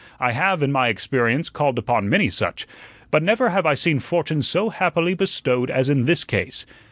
I have, in my experience, called upon many such; but never have I seen fortune so happily bestowed as in this case.